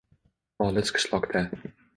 Olis qishloqda